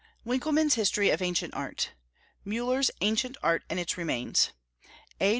Winckelmann's History of Ancient Art; Müller's Ancient Art and its Remains; A.